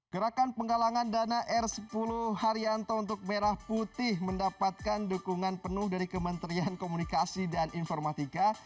gerakan penggalangan dana r sepuluh haryanto untuk merah putih mendapatkan dukungan penuh dari kementerian komunikasi dan informatika